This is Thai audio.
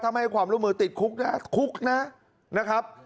ถ้าไม่ให้ความร่วมมือติดคุกนะคุกนะครับ